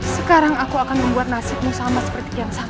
sekarang aku akan membuat nasibmu sama seperti gansantang